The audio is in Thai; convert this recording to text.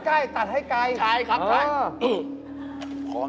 เกิดอะไรขึ้น